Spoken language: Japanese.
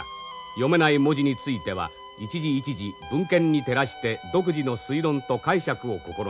読めない文字については一字一字文献に照らして独自の推論と解釈を試みた。